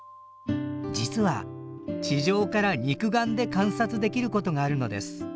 実は地上から肉眼で観察できることがあるのです。